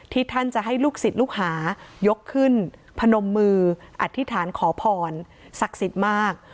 ท่านจะให้ลูกศิษย์ลูกหายกขึ้นพนมมืออธิษฐานขอพรศักดิ์สิทธิ์มาก